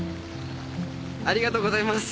ありがとうございます。